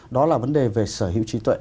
đó là vấn đề về sở hữu trí tuệ